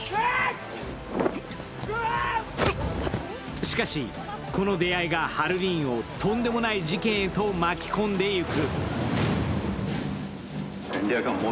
しかし、この出会いがハルリーンをとんでもない事件へと巻き込んでいく。